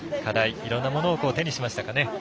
いろんなものを手にしましたかね。